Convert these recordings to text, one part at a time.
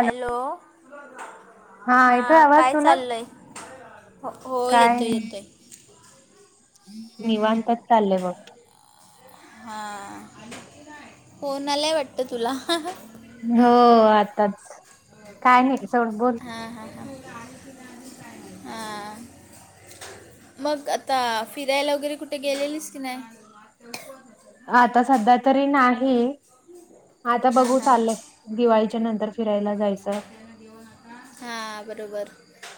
Hello हा येतोय हां आवाज काय तुला चाललंय? हो हो काय येतोय येतोय निवांतात चाललंय बघ. हां फोन आलाय वाटतं तुला. हो आताच काय नाय ते सोड बोल. हा. मग आता फिरायला वगैरे कुठे गेलेलीस की नाय? आता सध्या तरी नाही, आता हां बघू हां चाललंय दिवाळीच्या नंतर. फिरायला जायचं. हा बरोबर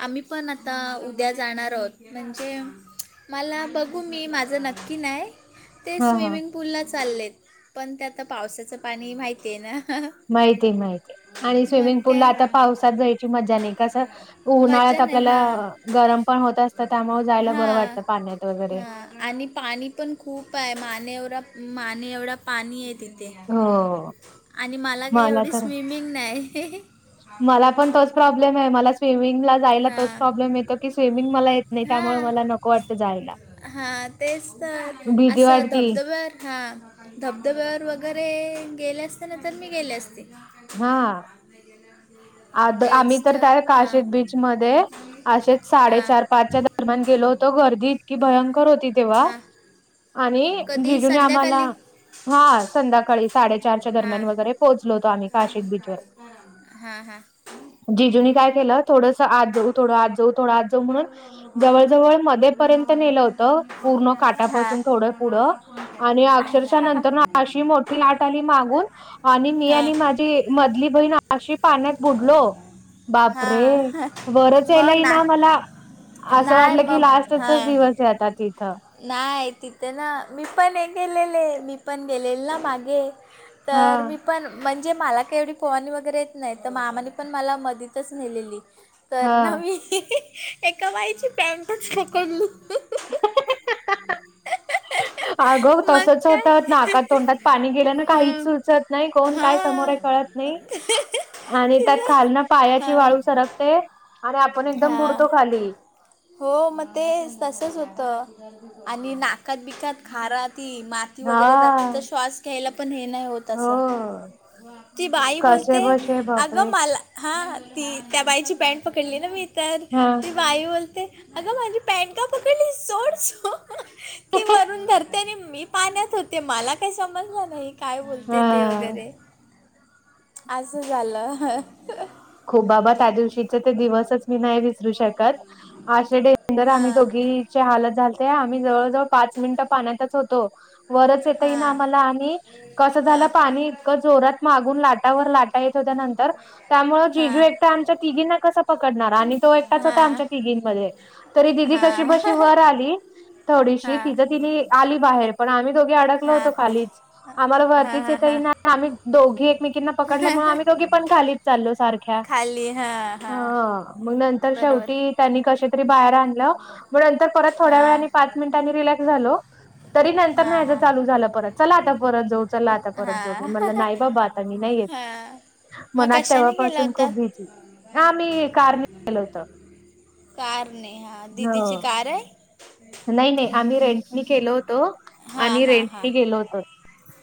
आम्ही पण आता उद्या जाणार आहोत म्हणजे मला बघू माझं मी नक्की नाय ते हा हा स्विमिंग पूलला चाललेत पण ते आता पावसाचं पाणीय माहितीय न. माईते माईते आणि स्वीमींग पुलला काय आता पावसात जायची मजा नी कसं. उन्हाळ्यात मजा नाही हां आपल्याला गरम पण होत असतं त्यामुळं जायला बरं हां वाटतं पाण्यात वगैरे. हां आणि पाणी पण खूपाय माने एवरा माने एवढा पाणीये तिथे हो आणि मला काय एवढी स्विमिंग नाय. मला पण तोच प्रॉब्लेमे मला स्विमिंगला जायला तोच हां प्रॉब्लेम येतो की स्विमिंग मला येत् नाय त्यामुळं मला नको वाटतं जायला. हा तेच तर भीती असं वाटती धबधब्यावर हां धबधब्यावर वगैरे गेले असते ना तर मी गेले असते. हां. आद आम्ही तेच तर त्या हां काशिक बीचमध्ये असेच साडे हां चार पाचच्याद -रम्यान गेलो होतो गर्दी इतकी भयंकर होती तेव्हा हां आणि कधी जिजूंनी आम्हाला संध्याकाळी हा संध्याकाळी साडेचारच्या हां दरम्यान वगैरे पोहोचलो होतो आम्ही काशिक बिचवर. हा हा. जीजुनी काय केलं थोडसं आत जाऊ थोडं आत जाऊ थोडं आत जाऊ म्हणून जवळजवळ मध्ये पर्यंत नेलं -तं पूर्ण हां काटापासून थोडं पुढं आणि अक्षरश नंतर न अशी मोट् -ठी लाट आली मागून आणि मी हां आणि माझी मधली बहीण अशी पाण्यात बुडलो बापरे हां वरच यायला मग ना इना आम्हाला. असं नाही वाटलं की मग लास्टचाच दिवसाय आता तिथं नाय तिथं ना मी पणे गेलेले, मी पण गेलेल ना मागे हा तर मी पण म्हणजे मला का एवढी पोहणी वगैरे येत नाई त मामाने पण मला मधीतच नेलेली. तर ना हा मी एका बाईची पॅन्टच पकडली. [unintelligible] अगं मग तसंच होत नाका काय तोंडात पाणी गेल्यानं काहीच हं. सुचत नाई कोण काय हां समोरे कळत् नई. आणि त्यात तिला खाल्नं पायाची हां वाळू सरकते आणि आपण एकदम हां बुडतो खाली. हो म ते तसंच होतं आणि नाकात बिकात खारा ती मा ती वगैरे जाते हा त श्वास घ्यायला पण हे नाय होत. तसं हो ती बाई कसे बोलते बसे बापरे अगं मला हा ती त्या बाईची पॅन्ट पकडली ना मी तर हा ती बाई बोलते अगं माझी पॅन्ट का पकडली सोड सोड ती वरून धर ते मी पाण्यात होते मला काय समजलं नाही. काय बोलते ते हा. वगैरे, असं झालं. खूप बाबा त्या दिवशीचे ते दिवसच मी नाही विसरू शकत आशेडे [unintelligible] हां हाल झाले ते आम्ही जवळजवळ पाच मिनिटं पाण्यातच होतो. वरच येता येईना हां आम्हाला आणि कसं झालं हां पाणी इतकं जोरात मागून लाटावर लाट येत होत नंतर त्यामुळे जिजू हां एकटा आमच्या तिघींना कसा पकडणार आणि तो एकटाच होता हां आमच्या तिघींमध्ये. तरी दिदी कशी बशी हां वर आली. थोडीशी हां तिचं ति आली बाहेर. पण आम्ही दोघे अडकल हा होतो खालीच. आम्हाला हा वरतीच हा येत हा ना, आम्ही दोघी एकमेकींना पकडल्यामुळे आमही दोघी पण खालीच चालो सारखं. हा खाली हा हा मग नंतर बरोबर शेवटी. त्यांनी कशा तर बाहेर आणला मग नंतर थोडा हा वेळानी पाच मिनिट रिलॅक्स झालो. तरी नंतर हा नं मेज हा चालू झालं परत चला आता परत जाऊ चला आता परत जाऊ मी म्हटला नाही बाबा आता मी नाही येत. ह. [unintelligible] मनात तेव्हापासून खूप भीती. हा मी कारणी गेलो होत. कार ने हा दिदीची कार आहे. नाही नाही आम्ही रेंटी केलो होतो आणि रेंटनी गेलो होतो.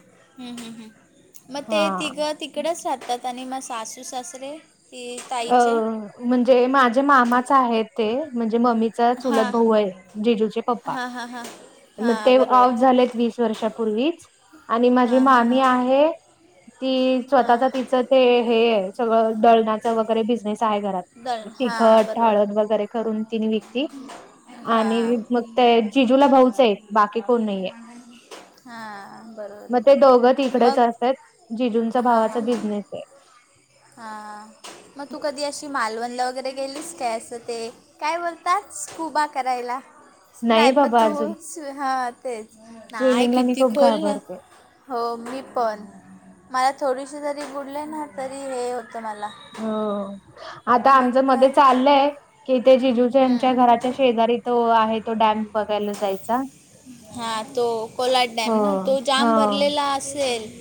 हम्म हम्म हम्म मग ते हा तिघं तिकडच राहतात आणि मग सासू सासरे. ती हा ताईचे म्हणजे माझे मामाच आहेत ते म्हणजे मम्मी हां चुलत भाऊ आहे, जीजूचे पप्पा हां हां हां हां ते बरोबर ऑफ झाले वीस वर्षापूर्वीच आणि हां माझी हां मामी हां आहे ती. स्वतच हां तिचं ते हे आहे सगळं दळणाच. वगैरे बिझनेस आहे घरात. मग दळण ती हां टाळन बरोबर वगैरे करून तिने विकती. हां आणि मग ते जिजूला भाऊच एक बाकी कोण नाहीे. हा बरोबर ते बरोबर. दोघं तिकडेच मग असत्यात. हा हा हा. हा मग तू कधी अशी मालवणला वगैरे गेलीस काय असं ते. काय बोलतात स्कुबा करायला नाही पण बाबा अजून तू हा तेच. नाही स्विमिंगला मी किती खूप खोल ना घाबरते. हो मी पण. मला थोडीशी जरी बुडले ना तरी हे होतं मला. हो आता मग आमचं काय मध्ये चाललंय कि ते जिजू ज्यांच्या हम्म. घराच्या शेजारी त आहे तो डॅम बघायला जायचा. हा तो कोलाट डॅम हो ना तो हो जाम भरलेला असेल.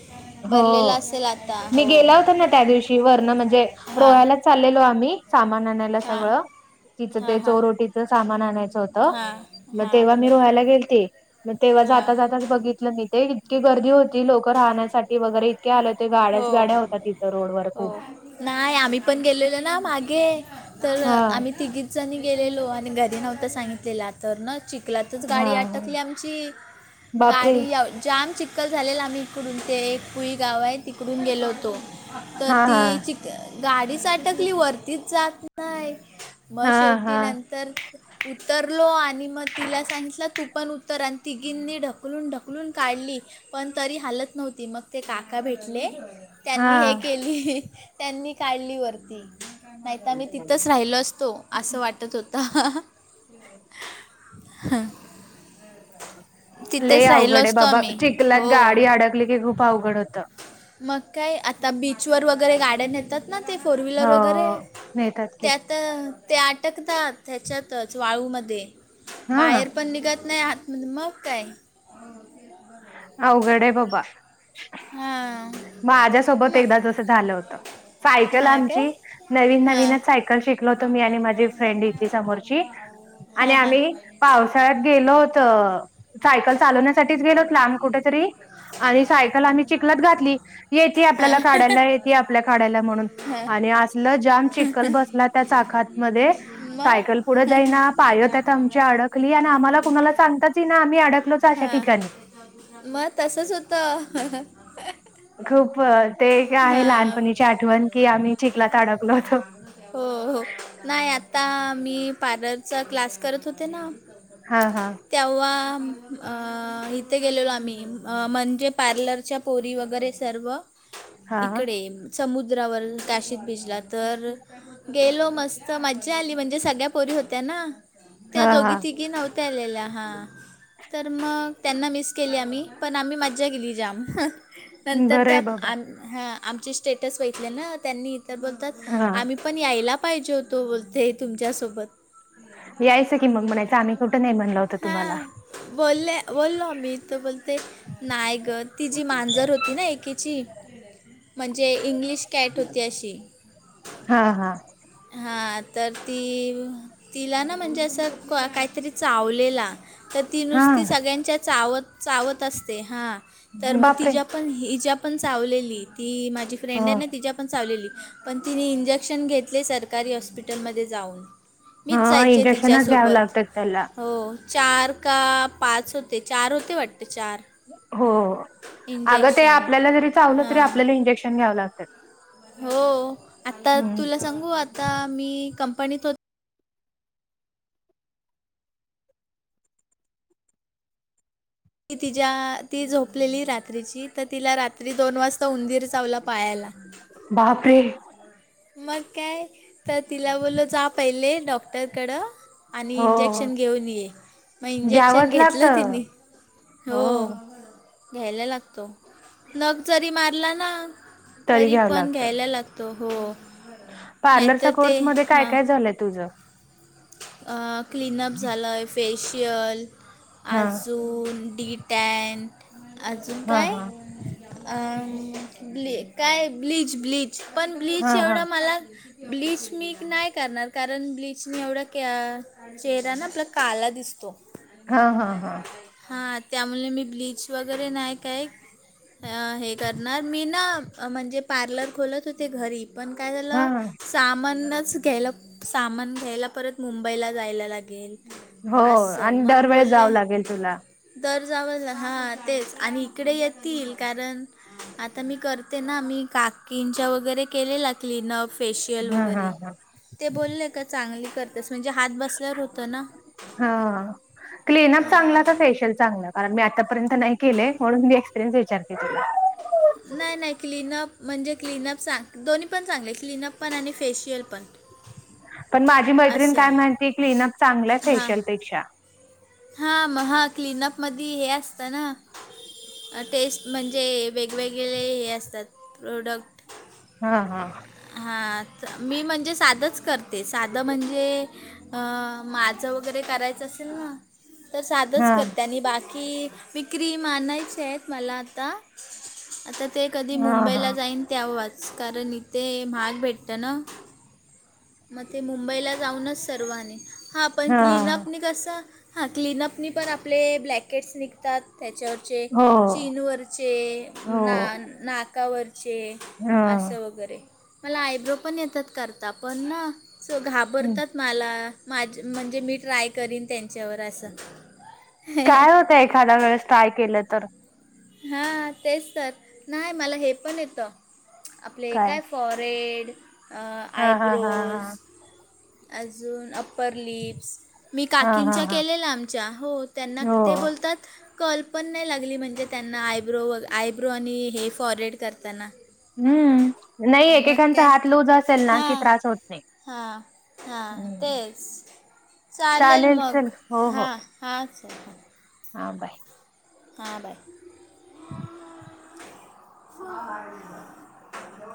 हो भरलेला असेल आता मी हो गेला होता ना त्या दिवशी वरण म्हणजे हां रोहालाच. चाललेलो आम्ही सामान आणायला. हां सगळं तिच हां ते हां चोरोटीच सामान आणायचं होत. हां मग हां तेव्हा मी बरोबर रोहायला गेलते मग तेव्हा हां जाता जाता बघितला मी ते. इतकी गर्दी होती लोकं राहण्यासाठी वगैरे इतके आले होते गाड्याच हो गाड्या होतात तिथं रोड वर हो खूप. नाही आम्ही पण गेलेलो ना मागे तर हा आम्ही तिघी. जणी गेलेलो आणि घरी नव्हता सांगितलेलं आता. तर ना चिखलातच हा गाडी आटकली आमची. बापरे गाडी जाम चिक्खल झालेल आम्ही इकडून ते एक पुई गाव आहे तिकडून गेलो होतो. तर हा हा ती चीक गाडीच अटकली वरतीच जात नाही. मग हा शेवटी हा नंतर. उतरलो आणि मग तिला सांगितलं तू पण उतर आणि तिघींनी ढकलून ढकलून. काढली, पण तरी हालत नव्हती मग ते काका भेटले. त्यांनी हे हा केली, त्यांनी काढली वरती. नाहीत मी तिथेच राहिलो असतो असं वाटत होत. ह लय तिथेच राहिलो अवघड आहे अस बाबा चिखल्यात गाडी अडकली की खूप अवघड होत. मग काय आता बीचवर वगैरे गाड्या येतात ना, ते फोर व्हीलर वगैरे हो नेतात की त्यात. तर ते अटकतात ह्याच्यातच वाळूमध्ये हा बाहेर पण निघत नाही आ मण म काय? अवघड हे बाबा. हा माझ्यासोबत एकदा तसं झालं होत, सायकल हां आमची काय नवीन हां नवीनच सायकल शिकलो होतो, मी आणि माझी फ्रेंड हितली समोरची. आणि हा, हा. आम्ही पावसाळ्यात गेलो होतो, सायकल चालवण्यासाठीच गेलोत लांब तरी आणि साय सायकल आम्ही चिखलात घातली येते आपल्याला हां काढायला येते आपल्याला काढायला म्हणून हां आणि असं. इथल जाम चिखल बसला त्या चाकात मध्ये सायकल पुढे जाईना मग पायत्यात आमचे अडक अडकली आणि आम्हाला कुणाला सांगतातच येईना आम्ही अडकलोच अशा हां ठिकाणी. मग तसच होत. खूप ते काय एक आहे लहानपणीचि आठवण की आम्ही चिखलात अडकलो होतो. हो हो नाही आता मी पार्लरचा क्लास करत होते ना. हा हा तेव्हा इथे गेलेलो आम्ही म्हणजे. पार्लरच्या पोरी वगैरे सर्व हा इकडे. समुद्रावर काशीत ब्रिजला तर गेलो मस्त मज्जा आली म्हणजे सगळ्या पोरी होत्या ना त्या हा हा दोघी तिघी नव्ह नव्हत्या आलेल्या हा तर मग त्यांना मिस केली आम्ही पण आम्ही मज्जा गेली. जाम नंतर बरं त्या आहे बाबा आमचे स्टेटस बघीतले ना त्यांनी तर बोलतात. हा आम्ही पण यायला पाहिजे होतो बोलते तुमच्यासोबत. यायंच की मग म्हणायं आम्ही कूठ हा बोलले बोललो आम्ही तर बोलते नायग. ती जी मांजर होती ना एकेची म्हणजे इंग्लिश कॅट होती अशी. हा हा हां तर ती तिला ना म्हणजे असं काहीतरी चावलेला. तर ती हा नुसती सगळ्यांच्या चावत चावत असते हा तर मग बापरे तिच्या पण हि ज्या पण चावलेली ती माझी ह फ्रेंड आहे ना तिच्या पण चावलेली. पण तिने इंजेक्शन घेतले सरकारी हॉस्पिटलमध्ये जाऊन. हा मीच जायचे इंजेक्शनच घ्यावं तिच्यासोबत लागतात त्याला हो. चार का पाच होते चार होते वाटते चार. हो अग ते इंजेक्शन आपल्याला जरी चावलं तरी हां आपल्याला इंजेक्शन घ्याव लागतात. हो आता हम्म तुला सांगू आता मी कंपनीत होत ती तिच्या ती झोपलेली रात्रीची तर तिला रात्री दोन वाजता उंदीर चावला पायाला. बापरे मग काय तर तिला बोलो जा पहिले डॉक्टरकडं. आणि हो इंजेक्शन घेऊन ये, मग इंजेक्शन घेतलं तिनी हा घ्यायला लागतो, नख जरी मारला ना तरी घ्यावं पण लागत घ्यायला लागतो. तो हो पार्लरच्या नाहीतर ते कोर्समध्ये काय हां काय झालंय तुझं? क्लीनप झालं आहे, फेशियल, हा आजून डीट ट्यान, अजून हा काय? हा अं काय ब्लीच, ब्लीच पण ब्लीच हा हा एवढं मला ब्लीच मी नाही करणार. कारण ब्लीचनी एवढं चेहरा ना आपला काळा दिसतो. हा हा हा हा त्यामुळे मी ब्लीच वगैरे नाही काय करतं. अ हे करणार मी ना अ म्हनजे पार्लर खोलत होते घरी. पन काय झालं हा सामानच घ्यायला, सामान घ्यायला परत मुंबईला जायला लागेल, हो असं आणि मग दरवेळेस बोल्ले जावं लागेल तुला तर जा हा तेच, आनी इकडे येतील कारन आता मी करते ना मी काकींच्या वगैरे केलेला क्लीनप. फेशियल हा हा वगैरे, हा ते बोल्ले का चांगली कर हा क्लीनप चांगला हां का फेशियल चांगला? कारन मी आतापर्यंत नाही केलंय, म्हणून मी एक्सपिरीयन्स विचारतेतुला नाई नाई क्लीनप मनजे क्लीनप चा दोनी पन चांगले क्लीनप पन आनी फेशियल पन. पन माझी मैत्रीन काय म्हणते क्लीनप चांगलय फेशियल पेक्षा. हा मग महा क्लिनप मद्यी हे अस्तं ना. टेस्ट मंजे वेगवेगळे हे असतात प्रोडक्ट. हा हा हा, मी मंजे सादच करते सादं म्हनजे. अ माजं वगैरे करायचं असेल ना तर सादच हा करते आनी बाकी मीक्रीम आनायचीएत मला आता. आता ते कदी हा मुंबईला हा जाईन त्यावेच कारन ते माहाग भेटतं ना खूप. [inaudible] म ते मुंबईला जाऊनच सर्वं आनीन, हा पन हा क्लीनप नी कसं हा क्लीनप नी पण आपले ब्लॅकेट्स निघतात त्यांच्यावर चे हो चीनवरचे हो ना नाकावरचे. हा असं वगैरे, मला आयब्रो पन येतात करता पन ना हम्म. घाबरतात. माला माज मनजे मी ट्राय करीन त्यांच्यावर असं त एखाद्या वेळेस ट्राय केलं तर. हा तेच तर, नाय मला हे पन येतं आपले काय फॉरेड अ हा हा हा हा आयब्रोज अजून अप्पर लिप्स. मी हा हा काकींच्या हा केलेला आमच्या हो त्यांना हो ते बोलतात कल्पन नअइ लागली म्हणजे. त्यांना आयब्रो व आयब्रो आनी हे फॉरेड करताना. हम्म नाई मग एकेकांचा हात लूज असेलना कि त्रास होत नाई. हा हा तेच, चालेल चल मग हो हो हा हा चाल हा बाय हा बाय. [inaudible] [unintelligible]